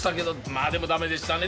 まぁでもダメでしたね。